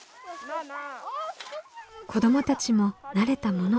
子どもたちも慣れたもの。